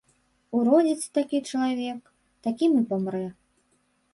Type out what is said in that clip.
Уродзіцца такі чалавек, такім і памрэ.